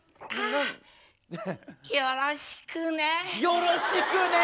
よろしくね。